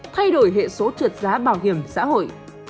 thay đổi hệ số trượt giá bảo hiểm xã hội